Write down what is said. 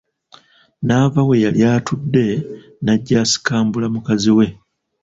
N’ava we yali atudde najja asikambule mukazi we.